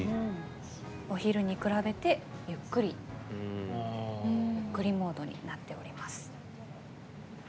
お昼に比べてゆっくりモードになっております。